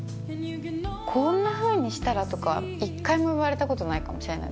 「こんなふうにしたら？」とか一回も言われたことないかもしれない。